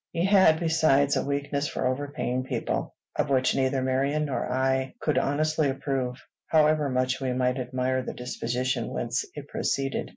He had, besides, a weakness for over paying people, of which neither Marion nor I could honestly approve, however much we might admire the disposition whence it proceeded.